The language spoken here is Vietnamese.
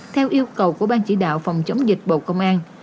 theo yêu cầu của ban chỉ đạo phòng chống dịch bộ công an